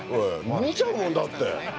見ちゃうもんだって。